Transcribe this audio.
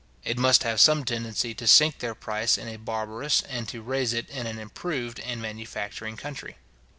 It must have some tendency to sink their price in a barbarous, and to raise it in an improved and manufacturing country.